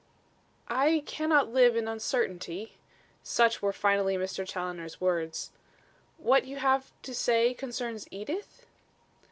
"I cannot live in uncertainty;" such were finally Mr. Challoner's words. "What you have to say concerns Edith?"